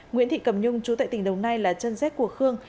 nguyễn thị cẩm nhung chú tệ tỉnh đồng nai là chân xét của khương